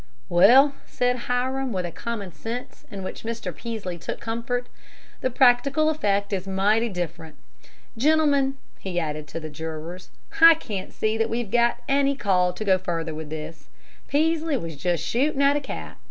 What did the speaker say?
"Well," said Hiram, with a common sense in which Mr. Peaslee took comfort, "the practical effect is mighty different. Gentlemen," he added to the jurors, "I can't see that we've got any call to go any further with this. Peaslee was just shooting at a cat.